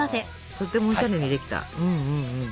とってもおしゃれにできた。